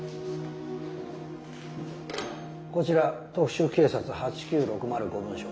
こちら特殊警察８９６０５分署。